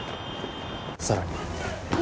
さらに。